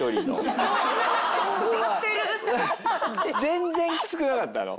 全然きつくなかったの？